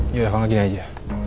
yaudah pak al gini aja